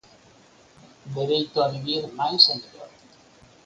Dereito a vivir máis e mellor.